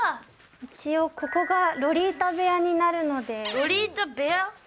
一応ここがロリータ部屋になロリータ部屋？